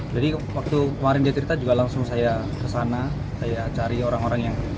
jadi waktu kemarin dia cerita juga langsung saya kesana saya cari orang orang yang